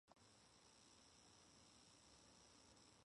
The United States won their ninth title by defeating Australia in the final.